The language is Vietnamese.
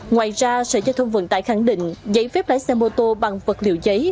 ngoài ra sở giao thông vận tải khẳng định giấy phép lái xe mô tô bằng vật liệu giấy